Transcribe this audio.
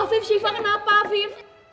afif sipa kenapa afif